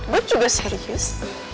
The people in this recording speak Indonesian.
gua juga serius